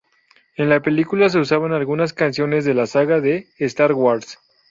En la película se usan algunas canciones de la saga de "Star Wars".